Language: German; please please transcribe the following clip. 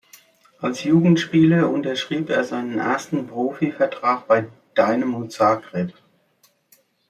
Als Jugendspieler unterschrieb er seinen ersten Profivertrag bei Dinamo Zagreb.